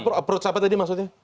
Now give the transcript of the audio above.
uproach apa tadi maksudnya